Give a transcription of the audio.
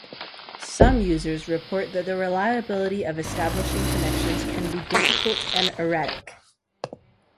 Some users report that the reliability of establishing connections can be difficult and erratic.